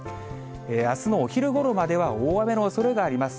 あすのお昼ごろまでは大雨のおそれがあります。